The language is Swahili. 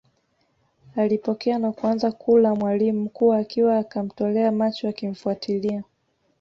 Alipokea na kuanza kula mwalimu mkuu akiwa kamtolea macho akimfuatilia